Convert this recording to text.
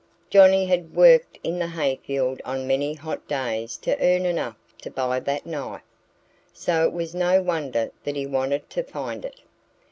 Johnnie had worked in the hayfield on many hot days to earn enough to buy that knife. So it was no wonder that he wanted to find it.